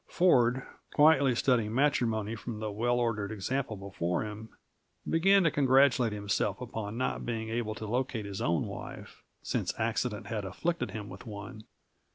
Ford, quietly studying matrimony from the well ordered example before him, began to congratulate himself upon not being able to locate his own wife since accident had afflicted him with one.